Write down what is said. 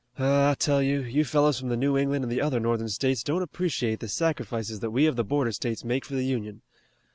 Oh, I tell you, you fellows from the New England and the other Northern States don't appreciate the sacrifices that we of the border states make for the Union.